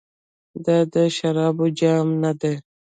دا د شرابو جام ندی.